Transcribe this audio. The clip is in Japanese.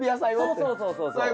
そうそうそうそうそう。